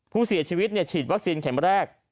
ผู้เสียชีวิตฉีดวัคซีนเข็มแรก